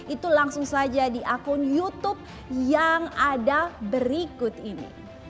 itu langsung saja di akun youtube yang ada berikut ini